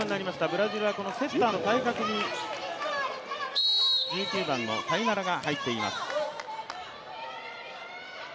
ブラジルはセッターの対角に１９番のタイナラが入っています。